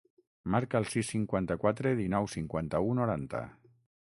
Marca el sis, cinquanta-quatre, dinou, cinquanta-u, noranta.